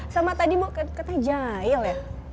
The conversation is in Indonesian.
sama tadi mau ketanya jahil ya